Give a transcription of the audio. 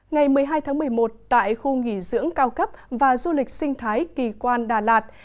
ngày một mươi hai tháng một mươi một tại khu nghỉ dưỡng cao cấp và du lịch sinh thái kỳ quan đà lạt